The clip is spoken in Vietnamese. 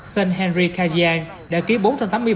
sơn henry kajian đã ký bản